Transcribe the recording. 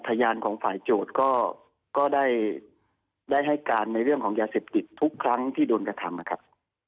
พยานของฝ่ายโจทย์ก็ได้ให้การในเรื่องของยาเสพติดทุกครั้งที่โดนกระทำนะครับ